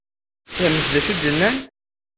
Tfehmemt d acu i d-nnan?